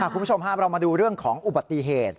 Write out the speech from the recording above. คุณผู้ชมครับเรามาดูเรื่องของอุบัติเหตุ